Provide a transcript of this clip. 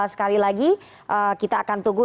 sekali lagi kita akan tunggu